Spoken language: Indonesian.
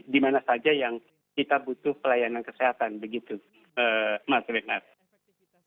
di mana saja yang kita butuh pelayanan kesehatan begitu